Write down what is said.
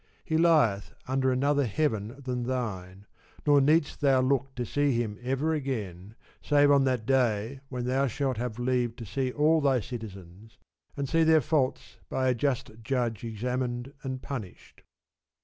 He lieth under another heaven than thine, nor need'st thou look to see him ever again save on that day when thou shalt have leave to see all thy citizens, and see their faults by a just judge examined and punished.